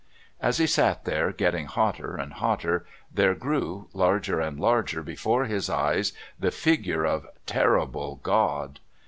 As he sat there, getting hotter and hotter, there grew, larger and larger before his eyes, the figure of Terrible God.